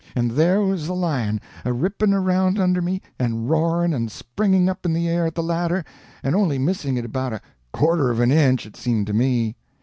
And there was the lion, a ripping around under me, and roaring and springing up in the air at the ladder, and only missing it about a quarter of an inch, it seemed to me.